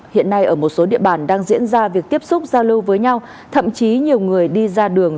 hiện nay ở một số địa bàn đang diễn ra việc tiếp xúc giao lưu với nhau thậm chí nhiều người đi ra đường